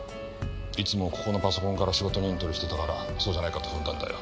いつもここのパソコンから仕事にエントリーしてたからそうじゃないかと踏んだんだよ。